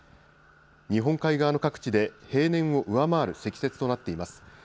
日本海側の各地で平年を上回る積雪となっています。